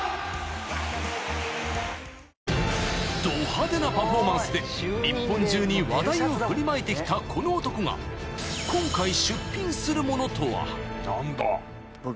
［ド派手なパフォーマンスで日本中に話題を振りまいてきたこの男が今回］